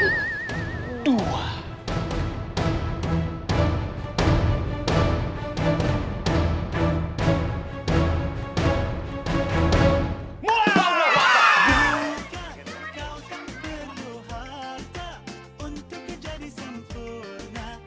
untuk menjadi sempurna